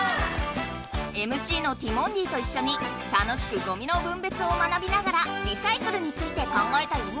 ＭＣのティモンディといっしょに楽しくゴミの分別を学びながらリサイクルについて考えたよ！